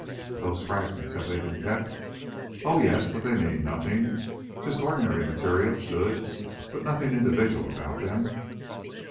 "Those fragments have been kept?" "Oh, yes; but they mean nothing. Just ordinary material, good, but nothing individual about them."